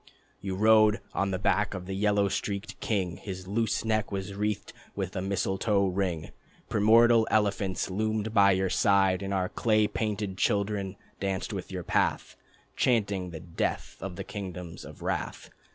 You rode on the back of the yellow streaked king, His loose neck was wreathed with a mistletoe ring. Primordial elephants loomed by your side, And our clay painted children danced by your path, Chanting the death of the kingdoms of wrath.